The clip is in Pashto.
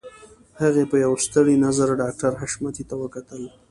هغې په يوه ستړي نظر ډاکټر حشمتي ته وکتل.